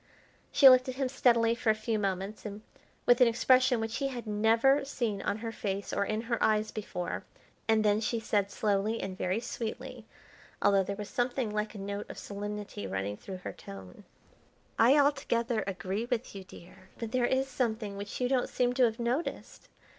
She looked at him steadily for a few moments, and with an expression which he had never seen on her face or in her eyes before, and then she said slowly and very sweetly, although there was something like a note of solemnity running through her tone: "I altogether agree with you, dear; but there is something which you don't seem to have noticed.